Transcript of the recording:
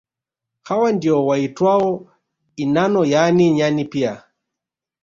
Hawa ndio waitwao inano yaani nyani pia